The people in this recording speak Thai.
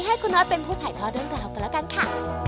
ให้คุณน้อยเป็นผู้ถ่ายทอดเรื่องราวกันแล้วกันค่ะ